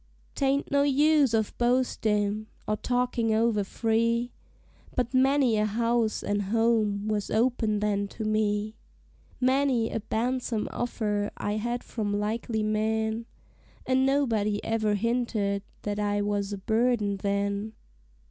'Tain't no use of boastin', or talkin' over free, But many a house an' home was open then to me; Many a ban'some offer I had from likely men, And nobody ever hinted that I was a burden then.